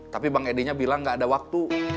tapi bang edinya bilang gak ada waktu